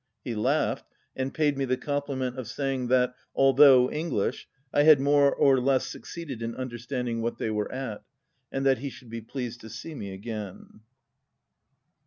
He laughed, and paid me the compliment of saying that, "although English," I had more or less succeeded in understanding what they were at, and that he should be pleased to see me again.